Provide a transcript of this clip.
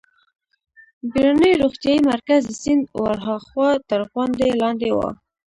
بېړنی روغتیايي مرکز د سیند ورهاخوا تر غونډۍ لاندې و.